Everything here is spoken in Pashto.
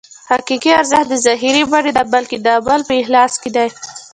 حقیقي ارزښت د ظاهري بڼې نه بلکې د عمل په اخلاص کې دی.